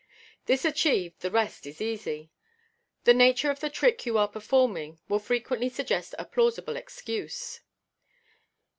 This achieved, the rest is easy. The nature of the trick you are performing will frequently suggest a plausible excuse.